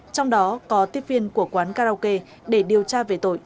trong đó có tiếp viên của quán karaoke để điều tra về tội